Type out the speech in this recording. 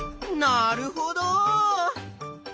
なるほど。